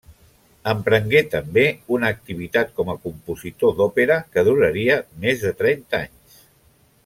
Emprengué també una activitat com a compositor d'òpera que duraria més de trenta anys.